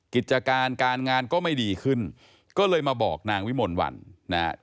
กิจการการงานก็ไม่ดีขึ้นก็เลยมาบอกนางวิมลวันนะครับ